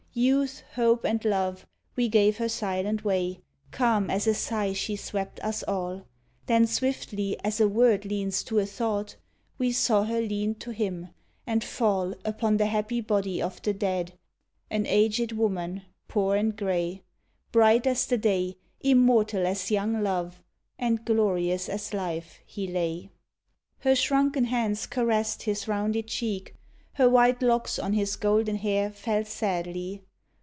Youth, hope, and love, we gave her silent way, Calm as a sigh she swept us all; Then swiftly, as a word leans to a thought, We saw her lean to him, and fall Upon the happy body of the dead An aged woman, poor and gray. Bright as the day, immortal as young Love, And glorious as life, he lay. Her shrunken hands caressed his rounded cheek, Her white locks on his golden hair Fell sadly.